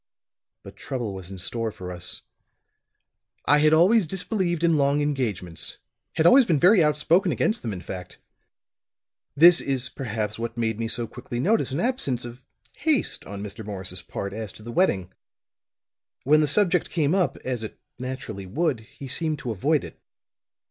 But trouble was in store for us. I had always disbelieved in long engagements, had always been very outspoken against them, in fact. This is perhaps what made me so quickly notice an absence of haste on Mr. Morris' part as to the wedding. When the subject came up, as it naturally would, he seemed to avoid it.